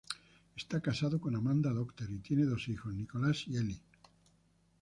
Está casado con Amanda Docter y tiene dos hijos, Nicholas y Elie.